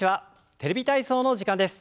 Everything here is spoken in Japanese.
「テレビ体操」の時間です。